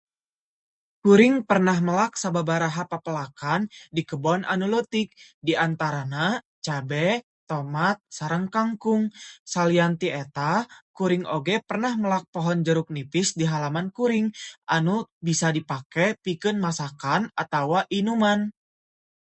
Kuring pernah melak sababaraha pepelakan di kebon anu leutik di antarana cabe, tomat, sareng kangkung. Salian ti eta, kuring oge pernah melak pohon jeruk nipis di halaman kuring anu bisa dipake pikeun masakan atawa inuman.